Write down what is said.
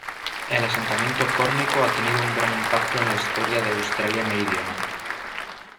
El asentamiento córnico ha tenido un gran impacto en la historia de Australia Meridional.